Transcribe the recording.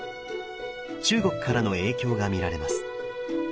中国からの影響が見られます。